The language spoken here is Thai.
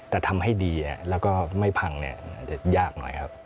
แต่ทำให้ดีแล้วก็ไม่พังเนี่ยจะยากหน่อยครับ